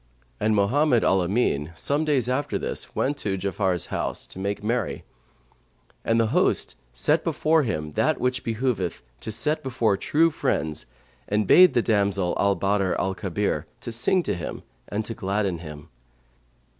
And Mohammed al Amin, some days after this went to Ja'afar's house, to make merry; and the host set before him that which it behoveth to set before true friends and bade the damsel Al Badr al Kabir sing to him and gladden him.